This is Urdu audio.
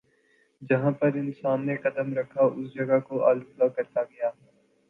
جہاں پر انسان نے قدم رکھا اس جگہ کو آلودہ کرتا گیا